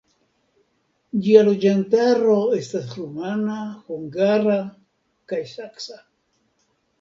Ĝia loĝantaro estas rumana, hungara kaj saksa.